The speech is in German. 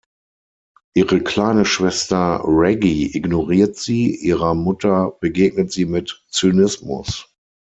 Ihre kleine Schwester Reggie ignoriert sie, ihrer Mutter begegnet sie mit Zynismus.